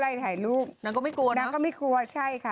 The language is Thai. ไล่ถ่ายลูกไปน้องก็ไม่กลัวนะน้องก็ไม่กลัวใช่ค่ะ